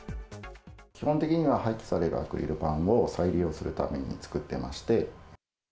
基本的には廃棄されるアクリル板を再利用するために作ってまして。